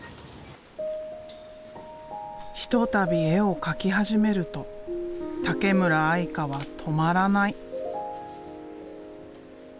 ひとたび絵を描き始めるとたけむらあいかは止まらない。